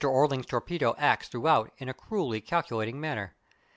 Orling's torpedo acts throughout in a cruelly calculating manner.